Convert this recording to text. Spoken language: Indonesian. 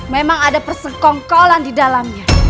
memang ada persekongkolan di dalamnya